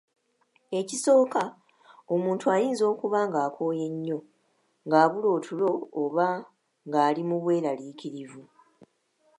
Ekisooka, omuntu ayinza okuba nga akooye nnyo, ng’abulwa otulo oba ng’ali mu bweraliikirivu.